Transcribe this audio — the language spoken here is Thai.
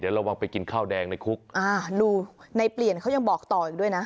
ระวังไปกินข้าวแดงในคุกอ่าดูในเปลี่ยนเขายังบอกต่ออีกด้วยนะ